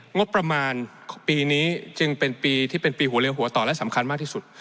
งบประมาณปีนี้จึงเป็นปีที่เป็นปีหัวเรือหัวต่อและสำคัญมากที่สุด